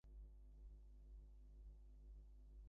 Holton was born in Oklahoma City.